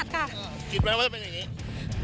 คิดไว้ว่าจะไปไหนนี้